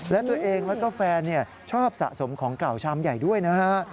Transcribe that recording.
และตัวเองแล้วก็แฟนชอบสะสมของเก่าชามใหญ่ด้วยนะฮะ